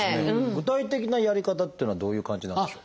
具体的なやり方っていうのはどういう感じなんでしょう？